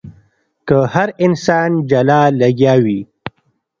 که هر انسان جلا لګيا وي.